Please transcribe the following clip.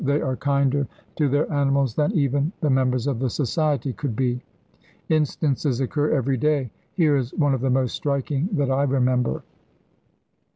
They are kinder to their animals than even the members of the Society could be. Instances occur every day; here is one of the most striking that I remember.